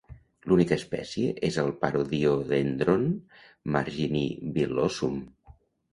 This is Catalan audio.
L'única espècie és el "Parodiodendron marginivillosum".